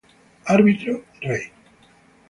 Árbitro: Rey.